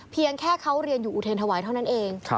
เพียงแค่เขาเรียนอยู่อุเทรนธวายเท่านั้นเอง